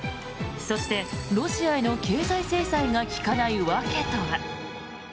そして、ロシアへの経済制裁が効かない訳とは。